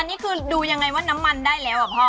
อันนี้คือดูยังไงว่าน้ำมันได้แล้วอ่ะพ่อ